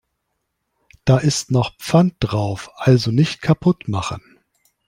Da ist noch Pfand drauf, also nicht kaputt machen.